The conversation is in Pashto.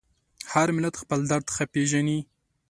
هر ملت خپل درد ښه پېژني.